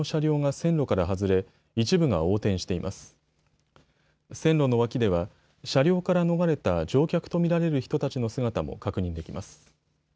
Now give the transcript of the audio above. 線路の脇では車両から逃れた乗客と見られる人たちの姿も確認できます。